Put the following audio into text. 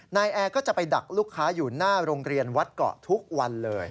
แอร์ก็จะไปดักลูกค้าอยู่หน้าโรงเรียนวัดเกาะทุกวันเลย